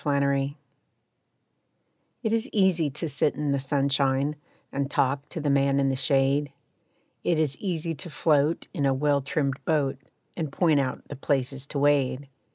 Practice= It is easy to sit in the sunshine And talk to the man in the shade; It is easy to float in a well trimmed boat, And point out the places to wade.